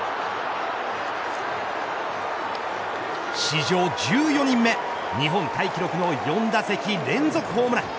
史上１４人目日本タイ記録の４打席連続ホームラン。